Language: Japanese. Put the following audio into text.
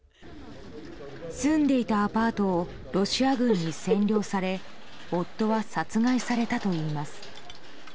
住んでいたアパートをロシア軍に占領され夫は殺害されたといいます。